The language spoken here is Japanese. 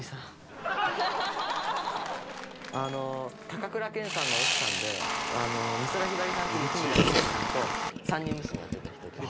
高倉健さんの奥さんで美空ひばりさんと雪村いづみさんと三人娘やってた人です。